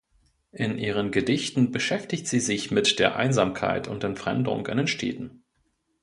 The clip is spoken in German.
In ihren Gedichten beschäftigt sie sich mit der Einsamkeit und Entfremdung in den Städten.